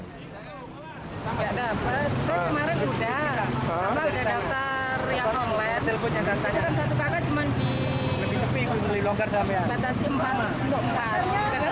di surabaya ini ternyata saya agak kesiangan juga